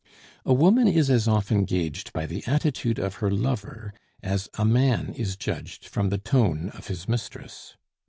A woman is as often gauged by the attitude of her lover as a man is judged from the tone of his mistress.